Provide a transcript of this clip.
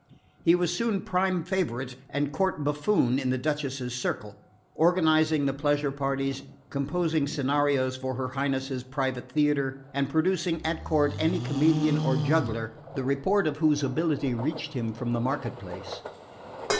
He was soon prime favourite and court buffoon in the Duchess's circle, organising pleasure parties, composing scenarios for her Highness's private theatre, and producing at court any comedian or juggler the report of whose ability reached him from the market place.